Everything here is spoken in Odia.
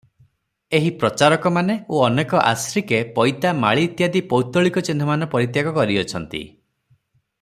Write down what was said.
ଏହି ପ୍ରଚାରକମାନେ ଓ ଅନେକ ଆଶ୍ରିକେ ପୈତା, ମାଳି ଇତ୍ୟାଦି ପୌତ୍ତଳିକ ଚିହ୍ନମାନ ପରିତ୍ୟାଗ କରିଅଛନ୍ତି ।